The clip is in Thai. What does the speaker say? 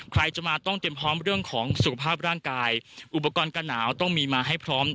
ใครจะมาต้องเตรียมพร้อมเรื่องของสุขภาพร่างกายอุปกรณ์การหนาวต้องมีมาให้พร้อม